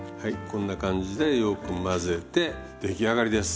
こんな感じでよく混ぜて出来上がりです。